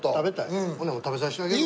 ほな食べさせてあげるわ。